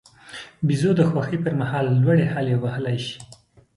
بیزو د خوښۍ پر مهال لوړې هلې وهلای شي.